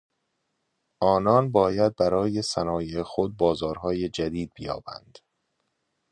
آنان باید برای صنایع خود بازارهای جدید بیابند.